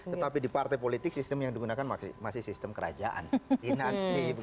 tetapi di partai politik sistem yang digunakan masih sistem kerajaan